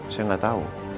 saya gak tahu